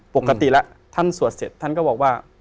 ปกติแล้วท่านสวดเสร็จท่านก็บอกว่า